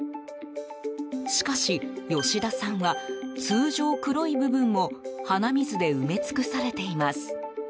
しかし、吉田さんは通常、黒い部分も鼻水で埋め尽くされています。